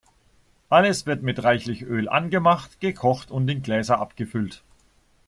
Alles wird mit reichlich Öl angemacht, gekocht und in Gläser abgefüllt.